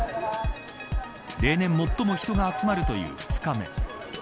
例年、最も人が集まるという２日目。